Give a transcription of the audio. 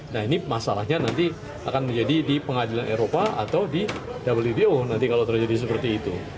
nah ini masalahnya nanti akan menjadi di pengadilan eropa atau di wbo nanti kalau terjadi seperti itu